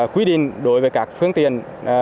quy định đối với các phương tiện